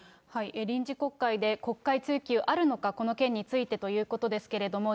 臨時国会で国会追及あるのか、この件についてということですけれども。